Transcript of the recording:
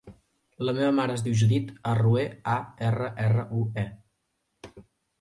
La meva mare es diu Judit Arrue: a, erra, erra, u, e.